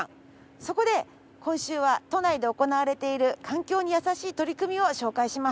そこで今週は都内で行われている環境にやさしい取り組みを紹介します。